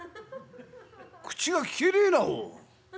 「口がきけねえなおい。